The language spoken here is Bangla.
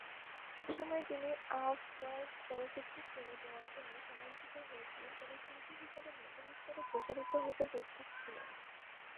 সে সময়ে তিনি আঁভ-গার্দ চলচ্চিত্র ছেড়ে দেওয়ার জন্য সমালোচিত হয়েছিলেন, তবে শিল্পী হিসাবে নতুন স্তরে প্রসারিত হতে প্রস্তুত ছিলেন।